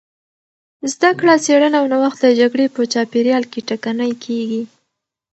زدهکړه، څېړنه او نوښت د جګړې په چاپېریال کې ټکنۍ کېږي.